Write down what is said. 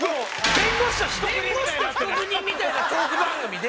弁護士と被告人みたいなトーク番組で。